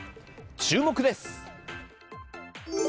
注目です。